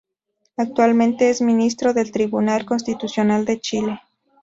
Actualmente es ministro del Tribunal Constitucional de Chile.